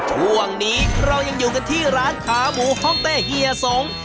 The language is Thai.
ช่วงนี้เรายังอยู่กันที่ร้านขาหมูห้องเต้เฮียสง